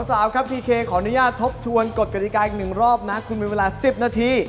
สาวครับพีเคขออนุญาตทบทวนกฎกฎิกาอีกหนึ่งรอบนะคุณมีเวลา๑๐นาที